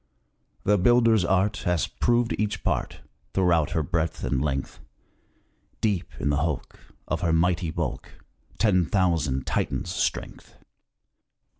"The builder's art Has proved each part Throughout her breadth and length; Deep in the hulk, Of her mighty bulk, Ten thousand Titans' strength."